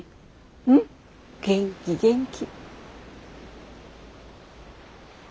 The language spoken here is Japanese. うん元気元気。